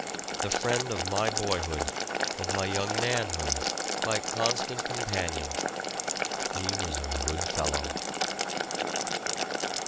The friend of my boyhood, of my young manhood, my constant companion; he was a good fellow.